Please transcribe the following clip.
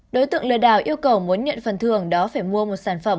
đối tượng lừa đảo yêu cầu muốn nhận phần thường đó phải mua một sản phẩm